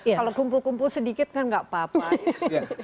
ah kalau kumpul kumpul sedikit kan enggak apa apa